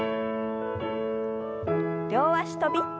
両脚跳び。